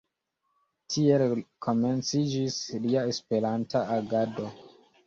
Tiel komenciĝis lia Esperanta agado.